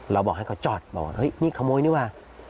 บอกให้เขาจอดบอกว่าเฮ้ยนี่ขโมยนี่ว่ะ